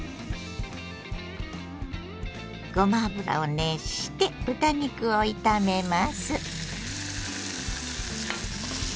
ごま油を熱して豚肉を炒めます。